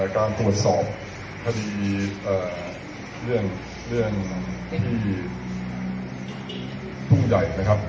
การตรวจสอบคดีเรื่องเป็นเรื่องใหญ่นะครับ